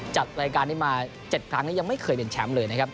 จัดรายการนี้มา๗ครั้งแล้วยังไม่เคยเป็นแชมป์เลยนะครับ